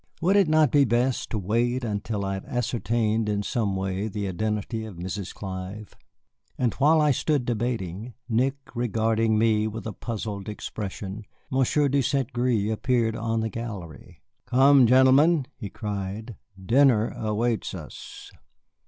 Would it not be best to wait until I had ascertained in some way the identity of Mrs. Clive? And while I stood debating, Nick regarding me with a puzzled expression, Monsieur de St. Gré appeared on the gallery. "Come, gentlemen," he cried; "dinner awaits us."